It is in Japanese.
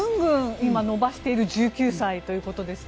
今、伸ばしている１９歳ということですね。